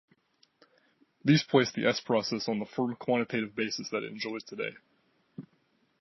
These placed the s-process on the firm quantitative basis that it enjoys today.